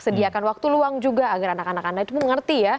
sediakan waktu luang juga agar anak anak anda itu mengerti ya